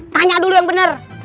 tanya dulu yang bener